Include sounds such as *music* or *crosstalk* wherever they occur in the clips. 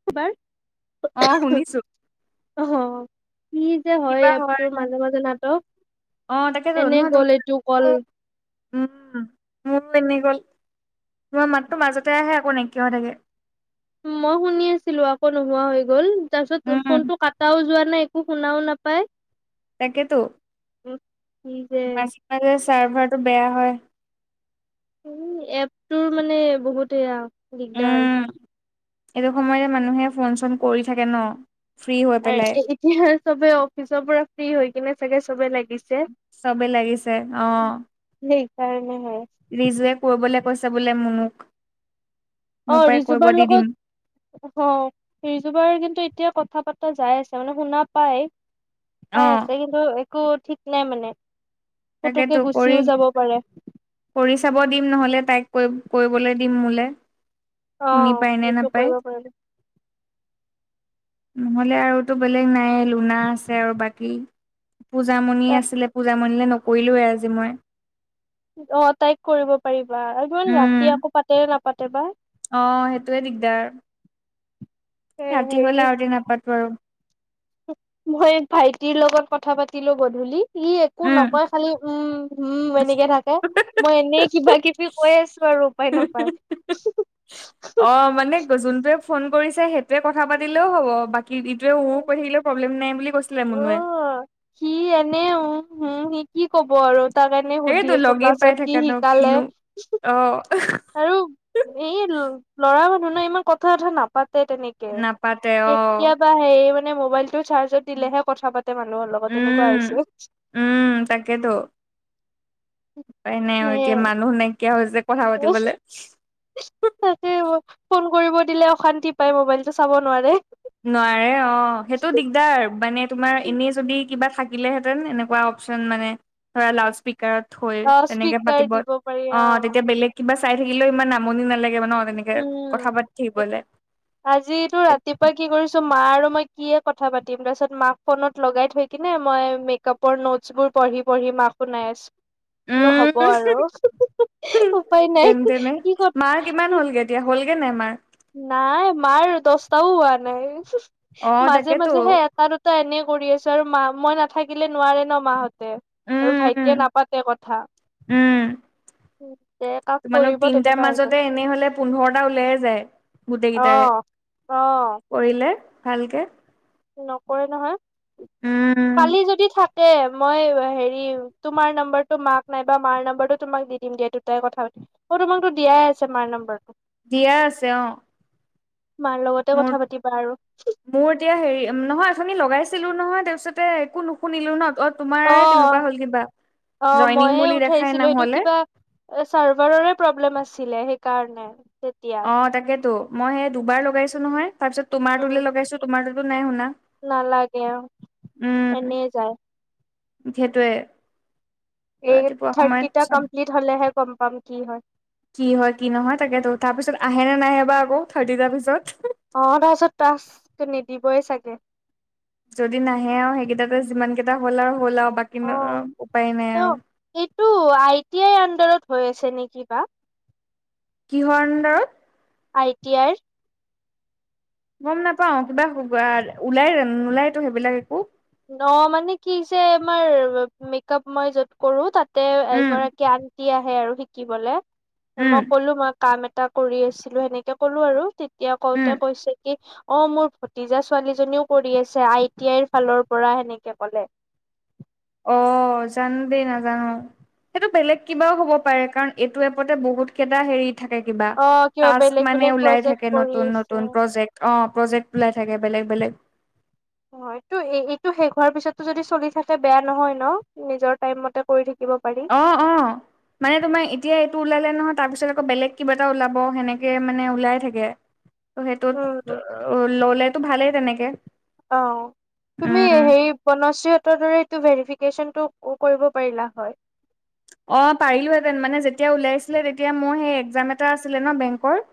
কি বাৰ- অ শুনিছো? অহ কি যে হয় এপটো মাজে মাজে নাটক অ তাকেতো এনে নহয় গল এইটো কল তোমাৰো উম মোৰ এনেই গল তোমাৰ মাততো মাজতে আহে আকৌ নাইকিয়াহ থাকে। মই শুনি আছিলো আকৌ নোহোৱা হৈ গল তাৰপিছত অলপ উম অলপ কাট এতাও যোৱা নাই একো শুনাও নাপায়। তাকেতো। উম মাজে মাজে চাৰ্ভাৰটো বেয়া হয়। উ এপটোৰ মানে বহুত সেয়া দিগদাৰ উম এইটো সময়তে মানুহে ফোন চোন কৰি থাকে ন। ফ্ৰী হৈ আৰু পেলাই এ এতিয়া চবে অফিচৰ পৰা ফ্ৰী হৈ কিনে চাগে চবে লাগিছে। চবেই লাগিছে অ সেই কাৰণে হয়। ৰিজুৱে কলৈ কৈছে বোলে মনুক- অ ৰিজুভাৰ দিম লগত অ ৰিজোবাই কিন্তু এতিয়া কথা বাতা যাই আছে মানে শুনা পাই। অ পাই আছে কিন্তু একো ঠিক নাই মানে পুতুকে তাকেতো কৰি গুচিও যাব পাৰে। কৰি চাব দিম নহ'লে তাইক কৈ কৰিবলৈ দিম মোলৈ অ শুনি পায় নে সেইটো কৰিব নাপায়। পাৰিবি নহলে আৰুটো বেলেগ নাই লোনা, আছে আৰু বাকী পূজাামণি, আছিলে পূজা, মনিলে নকৰিলোয়ে আজি মই- অ তাইক কৰিব পাৰিবা আৰু ইমান উম ৰাতি আকৌ পাতে নাপাতে বা। অ সেইটোয়ে দিগদাৰ। এ ৰাতি হেৰি হলে আতে নাপাতো আৰু- মই এক ভাইটিৰ লগত কথা পাতিলো গধূলি ই একো উম নকয় খালি উম উম এনেকে থাকে। মই এনেই কিবা কিবি কৈ আছো আৰু ৰপাই নোপায়। অ অ মানে যোনটোৱে ফোন কৰিছে সেইটয়ে কথা পাতিলেও হ'ব বাকী ইটোৱে উো কৈ থাকিলে প্ৰব্লেম নাই বুলি কৈ পাতিলে অ মনুএ সি এনেই উম স কি কব আৰু তাৰ কাৰণে তাকেতো সুধি আছো ক্লাছত কি শিকালে অঁ আৰু এই ল'ৰা মানুহ ন ইমান কথা বথা নাপাতে তেনেকে নাপাতে অ কেতিয়াবা সেই মানে মোবাইলটো চাৰ্জত দিলেহে কথা পাতে মানুহৰ লগত এনেকুৱা উম আহিছোঁ উম তাকেতো উপাই নাই নে আৰু এতিয়া মানুহ নাইকিয়া হৈছে কথা পাতিবলে তাকে ফোন কৰিব দিলে অশান্তি পাই মোবাইল টো চাব নোৱাৰে নোৱাৰে অ সেইটো দিগদাৰ মানে তোমাৰ এনে যদি কিবা থাকিলহেতেন এনেকুৱা অচন মানে ধৰা লাউট স্পিক কাৰত থৈ অ তেনেকে স্পীকাৰ পাতিব দিব পাৰি অ তেতিয়া বেলেগ কিবা চাই থাকিলেও ইমান আমনি নালাগে ন তেনেকে উম। কথা পাতি থাকিবলে আজিতো ৰাতিপুৱা কি কৰিছো মা আৰু মই কিয়ে কথা পাতিম তাৰপিছত মাক ফোনত লগাই থৈ কিনে মই মেকাপ ৰ নোটছ বোৰ পঢ়ি পঢ়ি মাক শুনাই আছ বোলো হ'ব উম আৰু উপায় নাই সি ক'ত তাৰ কিমান হলগৈ এতিয়া হ'লগে নাই আমাৰ নাই মাৰ দছটাও হোৱা নাই অ মাজে তাকেতো মাজেহে এটা দু টা এনেই কৰি আছো আৰু মা মই নাথাকিলে নোৱাৰে ন মাহঁতে উম আৰু ভাইটিয়ে উম নাপাতে কথা উম যেআপ কৰিব তেনেকুৱা হৈছ এনেহলে পোন্ধৰটা উওলাইয়ে যায় গোটেই কেইটাৰে অ'। অ' কৰিলে ভালকে নকৰে নহয় উম কালি যদি থাক দে মই হেৰি তোমাৰ নম্বৰটো মাক নাইবা মাৰ নম্বৰটো তোমাক দি দিম দিয়া দুটাই কথা পাতি অ তোমাকতো দিয়াই আছে মাৰ নম্বৰটো দিয়া আছে অ মাৰ লগতে মোৰ কথা পাতিবা আৰু মোৰ এতিয়া হেৰি নহয় ওথনি লগাইছিলো নহয় তাৰপিছতে একো নুশুনিলো ন অত- তোমাৰ তেনেকুৱা অ'। হল কিবা অ' জইনিং বুলি দেখাই নহলে এ চাৰ্ভাৰৰে প্ৰব্লেম আছিলে সেইকাৰণে তেতিয়া অ তাকেতো মই সেই দুবাৰ লগাইছো নহয় তাৰপিছত তোমাৰ উম তোলে লগাইছো তোমাৰ তাতো নাই শুনা নালাগে এনেই যায় সেইটোৱে এই থাৰ্টিটা চাব কমপ্লিট হলেহে গম পাম কি হয় কি হয় কি নহয় তাকেতো তাৰ পিছত আহে নে নাহে বা আকৌ থাৰ্টি তা পিছত অ তাৰপিছত তাছ নিদিবই চাগে যদি নাহে আও সেইকেইটা যিমান কেইটা হ'ল আৰু হ'ল আৰু বাকী অ উপায় নাই অ আৰু এইটো আই টি আইৰ আডাৰত হৈ আছে নেকি বা কিহৰ আন্দাৰত আই টি আৰ গম নাপাও কিবা ওলাই নোলাইতো সেইবিলাক একো অ মানে কি যে আমাৰ মেকপ মই য'ত কৰো তাত তে উম এগৰাকী আন্টি আহে আৰু শিকিবলে উম মই কলো মই কাম এটা কৰি আছিলো সেনেকে কলো আৰু তেতিয়া উম কওঁতে কৈছে কি অ মোৰ ভতিজা ছোৱালীজনীও কৰি আছে আই টি আইৰ ফালৰ পৰা সেনেকে ক'লে অ জানো দেই নাজানো সেইটো বেলেগ কিবাও হ'ব পাৰে কাৰণ এইটো এপতে বহুত কেইটা হেৰিত থাকে কিবা অ কিবা টাছ বেলেগ মানে বেলেগ ওলাই প্ৰজেক্ট থাকে কৰি নতুন আছে নতুন প্ৰজেক। অঁ প্ৰজেক্ট ওলাই থাকে বেলেগ বেলেগ। হয় এইটো শেষ হোৱাৰ পিছতটো যদি চলি থাকে বেয়া নহয় ন নিজৰ টাইম মতে কৰি থাকিব পাৰি। অ অ *inaudible* মানে তোমাৰ এতিয়া এইটো ওলালে নহয় তাৰপিছত আকৌ বেলেগ কিবা এটা ওলাব সেনেকে মানে ওলাই থাকে। ত' সেইটোত উম ললেতো ভালেই তেনেকে। অঁ তুমি উম সেই বনশ্ৰী হতৰ দৰে এইটো ভেৰিফিকেশচন টো কৰিব পাৰিলা হয়। অঁ পাৰিলোহেতেন মানে যেতিয়া ওলাইছিলে তেতিয়া মোৰ সেই একজাম এটা আছিলে ন বেংকৰ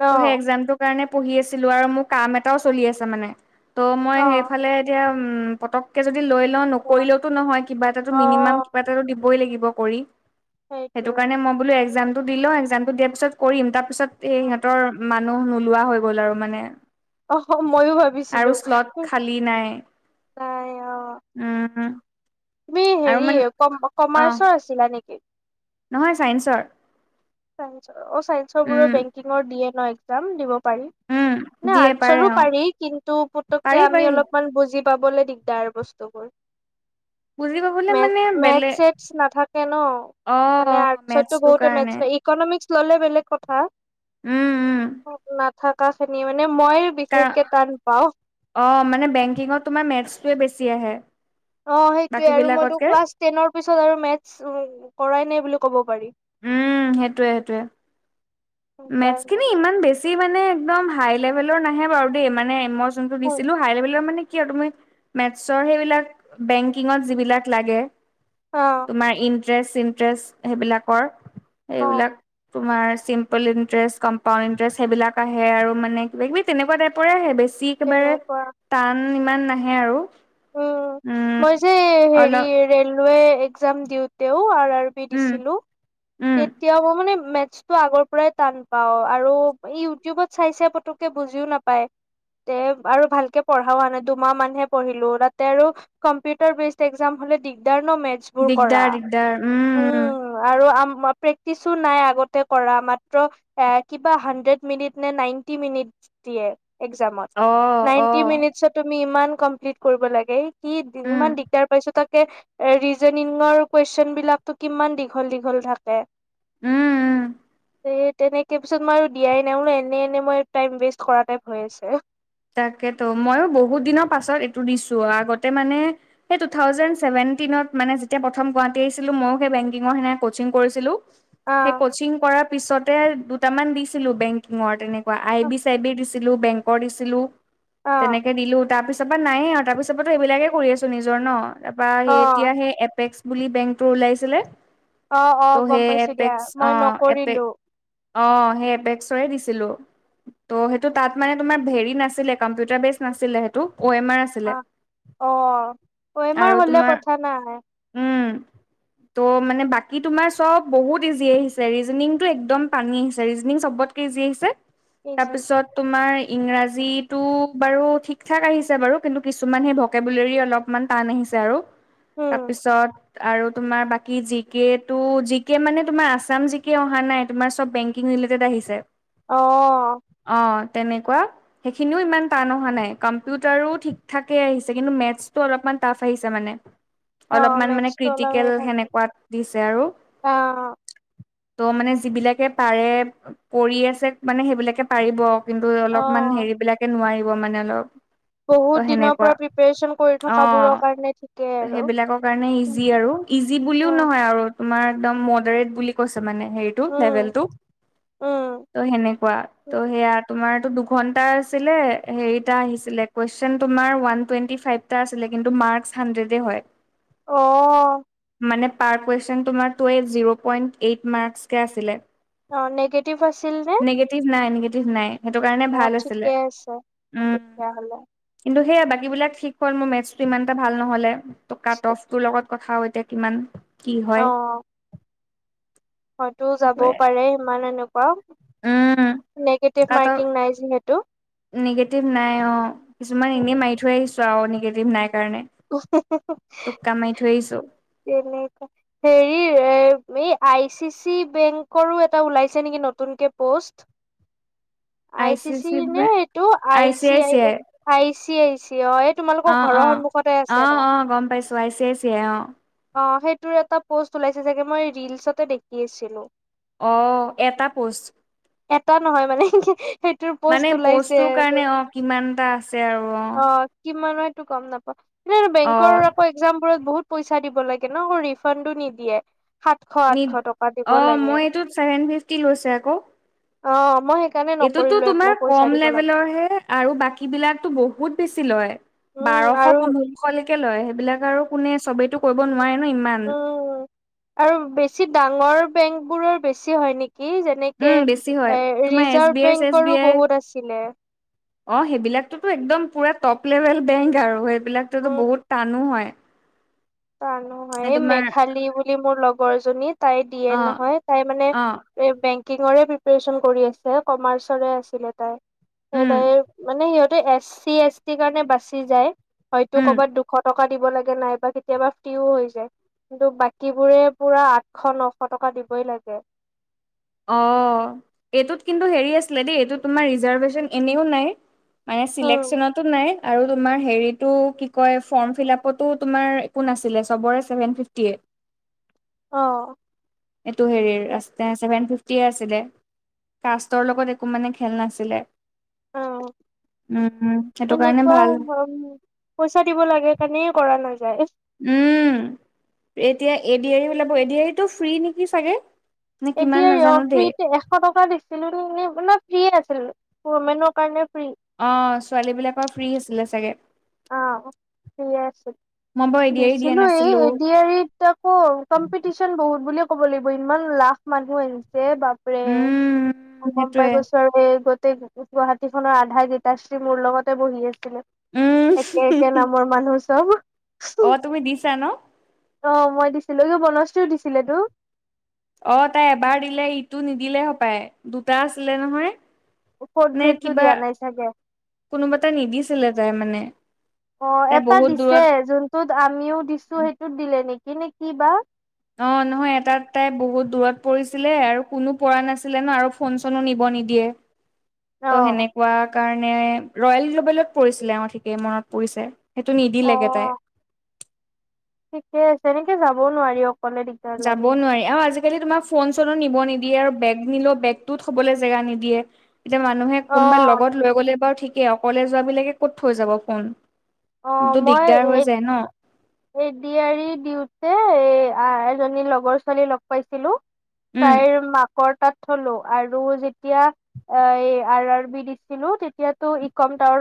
অ ত' সেই এক্জামটোৰ কাৰণে পঢ়ি আছিলো আৰু মোৰ কাম এটাও চলি আছে মানে। ত' মই অ সেইফালে এতিয়া উম পতককে যদি লৈ লওঁ অ নকৰিলেওতো নহয় কিবা এটাটো অ মিনিমাম কিবা এটাটো দিবই লাগিব কৰি সেইটোক। সেইটোৱে কাৰণে মই বোলো এক্জাম টো দি লওঁ এক্জামটো দিয়াৰ পিছত কৰিম তাৰ পিছত এই সিহঁতৰ মানুহ নোলোৱা হৈ গ'ল আৰু মানে। অহ মইয়ো আৰু ভাবিছিলো শ্লট খালী নাই অঁ। উম উম। তুমি আৰু হেৰি মানে কম অ কমাৰ্চৰ আছিলা নেকি? নহয় ছায়ন্সৰ। চায়েন্সৰ অ চাইন্সৰ বোৰৰ উম বেংকিঙৰ দিয়ে ন এক্জাম দিব পাৰি। উম না দিয়ে পাৰে আৰ্টছৰো অ পাৰি কিন্তু পুতককে পাৰি আমি পাৰি অলপমান বুজিপ পাবলে দিগদাৰ বস্তুবোৰ। বুজি পাবলে মেথ মানে মেথ বেলেগ চেথছ নাথাকে ন। মানে অ', আতছতো মেথছটো বহুত কাৰণে মেতচ এই ইকনমিক্স ললে বেলেগ কথা উম, উম। নাথাকাখিনি মানে ময় বিশেষকে টান পাও। অঁ মানে বেংকিঙত তোমাৰ মেথছটোৱে বেছি আহে। অঁ সেইটোৱে বাকী আৰু ময়টো বিলাকতকে। ক্লাছ টেনৰ পিছত আৰু মেটথ কৰাই নাই বুলি কব পাৰি। উম সেইটোয়ে সেইটোয়ে। মেথছ সেইকাৰণে খিনি ইমান বেছি মানে একদম হাই লেভেলৰ নাহে বাৰু দেই মানে ময়ছ যোনটো অ দিছিলো হাই লেভেলৰ মানে কি আৰু তুমি মেতচৰ সেইবিলাক বেংকিঙত যিবিলাক লাগে তোমাৰ ইং- টেছ ইনট্ৰেছ সেইবিলাকৰ অ সেইবিলাক কুমাৰ চিম- ইণ্টেৰেষ্ট কম্পাউণ্ড ইণ্টেৰেষ্ট সেইবিলাক আহে আৰু মানে কিবাকিবি তেনেকুৱা টাইপৰে আহে বেছি- একেবাৰে তেনেকুৱা টান ইমান নাহে আৰু। উম মই যে হেৰি অলপ ৰেলৱে এক্জাম দিওঁতেও আৰু আৰু পি উম দিছিলো। উম। তেতিয়াও মই মানে মেথছটো আগৰ পৰাই টান পাওঁ আৰু ইউটিউবত চাইছে পতুককে বুজিও নাপাওঁ। পাই তে আৰু ভালকে পঢ়াও হ নাই দুমাহ মানহে পঢ়িলো। তাতে আৰু কম্পিউটাৰ ব্ৰীজ এক্সাম হলে দিকদাৰ ন মেথচ- তোৰ কৰা দিগদাৰ দিগদাৰ উম। আৰু আম মই প্ৰেক্টিছো নাই আগতে কৰা মাত্ৰ- এ কিবা হানড্ৰেড মিনিট নে নাইনটি মিনিট দিয়ে। এক্সামত অ অ নাইনটি মিনিট চত- তুমি ইমান কমপ্লিট কৰিব লাগে সি উম ইমান দিগদাৰ পাইছো তাকে- এ ৰিজনিঙৰ কুৱেচন বিলাকো কিমান দীঘল দীঘল থাকে। উম উম। এই তেনেকৈ পিছত মই আৰু দিয়াই নাই বোলো এনে এনেই মই টাইম ৱেষ্ট কৰা টাইপ হৈ আছে। তাকেতো মইও বহুত দিনৰ পাছত এইটো দিছো আগতে মানে। হে টু থাউজেন চেভেনটিনত মানে যেতিয়া প্ৰথম গুৱাহাটী আহিছিলো মইও সেই বেংকিং কাৰণে সেনে কচিং কৰিছিলো। অ সেই কচিং কৰা পিছতে দুটামান দিছিলো বেংকিঙৰ তেনেকুৱা আই বি চাই বি দিছিলো। দিছিলো বেংকৰ দিছিলো অ তেনেকে দিলো, তাৰ পিছত তাৰপা নাইয়ে আৰু তাৰপিছততো সেইবিলাকে কৰি আছো নিজৰ ন, তাৰপৰা সেই অ এতিয়া সেই এপেক্স বুলি বেংকটোৰ ওলাইছিলে, অ অ ত' গম সেই পাইছো দিয়া এপেক্স মই এপে নকৰিলো অঁ, সেই এপেক্সৰে দিছিলো ত' সেইটো তাত মানে তোমাৰ হেৰি- নাছিলে কম্পিউটাৰ বেচ নছিলে সেইটো অ এম আৰ আছি অহ অ অএমাৰ আৰু হলে তোমাৰ কথা নাই। উম ত' মানে বাকী তোমাৰ চব বহুত ইজি আহিছে, ৰিজনিংতটো একদম পানী আহিছে ৰিজনিং চবত কে ইজি আহিছে, ইজি তাৰপিছত তোমাৰ ইংৰাজ জীটো বাৰু ঠিক থাক আহিছে বাৰু, কিন্তু কিছুমান সেই ভকেবুলেৰী অলপমান টান আহিছে আৰু। উম তাৰপিছত আৰু তোমাৰ বাকি জিকেটো জিকে মানে তোমাৰ আছাম জিকে অহা নাই, তোমাৰ চব বেং কিং ৰিলেটেড আহিছে। অহ অঁ তেনেকুৱা। সেইখিনিও ইমান টান অহা নাই, কম্পিউটাৰও ঠিক ঠাকে আহিছে কিন্তু মেথছটো অলপমান টাফ আহিছে মানে। *inaudible* অলপমান মানে মেথছটো অলপ ক্ৰিটিকেল হৈ থাকে সেনেকুৱাত দিছে আৰু। অ ত মানে যিবিলাকে পাৰে কৰি আছে মানে সেইবিলাকে পাৰিব। কিন্তু অ অলপমান হেৰি বিলাকে নোৱাৰিব মানে অলপ। বহুত ত দিনৰ সেনেকুৱা পৰা প্ৰিপেৰেচন কৰি থকাবোৰৰ কাৰণে ঠিকেই অঁ আৰু সেইবিলাকৰ কাৰণে ইজি আৰু। ইজি বুলিও অ নহয় আৰু তোমাৰ একদম মডাৰেট বুলি। কৈছে মানে হেৰিটো উম লেবেলটো, উম ত সেনেকুৱা ত সেয়া তোমাৰটো ঘন্টা আছিলে হেৰিটা আহিছিলে কুৱেশচন তোমাৰ ওৱান টুৱেণ্টি ফাইভটা আছিলে, কিন্তু মাৰ্ক ছ হাণ্ড্ৰেডে হয়। অহ মানে পাৰ কুৱেচন তোমাৰ জিৰ' পইন্ট এইট মাৰ্কচ কে আছিলে। অঁ নিগেটিভ আছিল যে নিগেটিভ নাই নিগেটিভ নাই সেইটো কাৰণে ভাল আছিলে। ঠিকে আছে উম তেতিয়াহ'লে কিন্তু সেয়া বাকীবিলাক ঠিক হ'ল মোৰ মেথছটো ইমান এটা ভাল নহলে, কাটফটোৰ লগত কথা হৈ থা কিমান কি অ হয়? হয়তো যাবও সেইটোৱে পাৰে ইমান এনেকুৱা। নিগেটিভ আকল, মাৰ্কিং নাই যিহেতু নিগেটিভ নাই অঁ কিছুমান এনেই মাৰি থৈ আহিছো। আৰু নিগেটিভ নাই কাৰণে। টোক্কা মাৰি থৈ আহিছো *unintelligible* হেৰি এ এই আই চি চি বেংকৰো এটা ওলাইছে নেকি নতুনকে প'ষ্ট। আই চি চি নে এইটো আই চি আই। আইছি আইছি অঁ এই তোমালোকৰ ঘৰৰ সন্মুখ অঁ অঁ গম পাইছো আচিই আই চি অঁ অ সেইটোৰ এটা পোষ্ট ওলাইছে চাগে মই ৰিলচতে দেখি আছিলো অ এটা পোষ্ট এটা নহয় মানে সেইটোৰ পোষ্ট মানে ওলাইছে প'ষ্টটোৰ আৰু কাৰণে অ কিমানটা আছে আৰু অ কিমান হয় এইটো গম নাপাওঁ এনে আৰু অ বেংকৰ আকৌ একজামবোৰত বহুত পইচা দিব লাগে ন ৰিফাণ্ডো নিদিয়ে সাতশ নি আঠশ টকা দিব অ লাগে মই এইটোত ছেভেন ফিফটি লৈছে আকৌ অ মই সেই এইটোতো তোমাৰ কম লেভেলৰ হে আৰু বাকী বিলাকতো বহুত বেছি লয় উম বাৰশ আৰু পোন্ধৰ শ লৈকে লয় সেইবিলাক আৰু কোনে চবেই তো কৰিব নোৱাৰে ন ইমান উম আৰু বেছি ডাঙৰ বেংক বোৰৰ বেছি হয় নেকি উম এনেকে বেছি হয় এ তোমাৰ এছ বি ৰিজাৰ্ভ আই চেছ বি বেংকৰো আই বহুত আছিলে অ সেইবিলাকতো একদম পুৰা টপ লেভেল বেংক আৰু সেইবিলাকতো উম বহুত টানো হয় টানো হয় এ এই তোমাৰ মেঘালী বুলি মোৰ লগৰ এজনী তাই দিয়ে অ নহয় তাই মানে অ এ বেংকিংৰে প্ৰিপাৰেচন কৰি আছে কমাৰ্চৰে আছিলে তাই সেই উম তাই মানে সিহঁতে এছ চি এছ টি কাৰণে বাচি যায় হয়তো উম কৰ'বাত দুশ টকা দিব লাগে নাই বা কেতিয়াবা ফ্ৰীও হৈ যায় কিন্তু বাকীবোৰে পুৰা আঠশ নশ টকা দিবই লাগে অ এইটোত কিন্তু হেৰি আছিলে দেই এইটো তোমাৰ ৰিৰ্জাৰভেচন এনেও নাই মানে উম সিলেকশনতো নাই আৰু তোমাৰ হেৰিটো কি কয় ফৰ্ম ফিল আপতো তোমাৰ একো নাছিলে চবৰে চেভেন ফিফটিএইট অ এইটো হেৰিৰ আছে চছেভেন ফিফ টি আছিলে কাষ্টৰ লগত একো মানে খেল নাছিলে উম সেইটো কাৰণে ভাল অঁ *unintelligible* পইচা দিব লাগে কাৰণে কৰা নাযায় উম এতিয়া এডি আৰিৰ ওলাব এডি আৰিটো ফ্ৰী নেকি চাগে নে এডি কিমান আৰি অ নাজানো ফ্ৰী দেই। এতিয়া এশ টকা দিছিলো নিকি মানে ফ্ৰী আছিলে ওমেনৰ কাৰণে ফ্ৰী অ ছোৱালী বিলাকৰ ফ্ৰী আছিলে চাগে অ ফ্ৰীয়ে আছিল মই বাৰু এ ডি আৰ ই দিয়া দিছিলো এই নাছিলো এড আৰিত আকৌ কম্পিটিচন বহুত বুলিয়ে ক'ব লাগিব ইমান লাখ মানুহে দিছে বাপ বাপৰে উম। মই গম সেইটোৱে পাই গৈছো আৰু এ গোটেই গুৱাহাটী খনৰ আধা গীতাশ্ৰী মোৰ লগতে বহি আছিলে একে একে উম। নামৰ মানুহ চব অ তুমি দিছা ন অ মই দিছিলো এইটো বনশ্রী ও দিছিলে তো অ তাই এবাৰ দিলে ইটো নিদিলে সপায় দুটা আছিলে নহয় ফৰ্থ নে গ্ৰেডটো কিবা দিয়া নাই চাগে কোনোবা এটা নিদিছিলে তাই মানে অ তাই এটা বহুত দিছে দূৰত যোনটোত আমিও দিছো সেইটোত দিলে নেকি নে কিবা অ নহয় এটাত তাই বহুত দূৰত পৰিছিলে আৰু কোনো পৰা নাছিলে ন আৰু ফোন চনো নিব নিদিয়ে *inaudible* ত' সেনেকুৱা কাৰণে ৰয়েল গ্লোবেলত পৰিছিলে অ ঠিকেই মনত পৰিছে সেইটো অ নিদিলেগে তাই ঠিকে আছে এনেকে যাব নোৱাৰি অকলে দে যাব নোৱাৰি আৰু আজি আজিকালি তোমাৰ ফ'ন চ'নো নিব নিদিয়ে আৰু বেগ নিলেও বেগটোও থবলৈ জেগা নিদিয়ে এতিয়া মানুহে অ কোনোবা লগত লৈ গ'লে বাৰু ঠিকেই অকলে যোৱাবিলাকে ক'ত থৈ যাব ফ'ন অ মই এগ এ ডি আৰ ই দিওঁতে এ আ এজনী লগৰ ছোৱালী লগ পাইছিলো উম তাইৰ মাকৰ তাত থলো আৰু যেতিয়া অ এই আৰ আৰ বি দিছিলো তেতিয়াতো ইকম টাৱাৰৰ